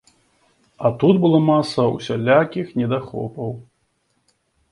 А тут была маса усялякіх недахопаў.